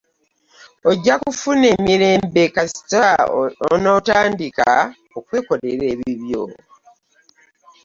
Ojja kufuna emirembe kasita onaatandika okwekolera ebibyo.